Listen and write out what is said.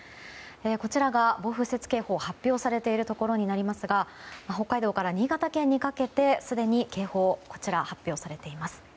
こちらが暴風雪警報が発表されているところですが北海道から新潟県にかけてすでに警報が発表されています。